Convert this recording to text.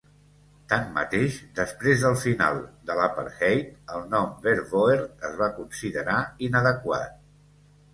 Tanmateix, després del final de l'apartheid, el nom Verwoerd es va considerar inadequat.